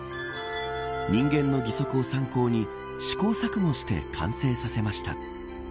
人間の義足を参考に試行錯誤して完成させました。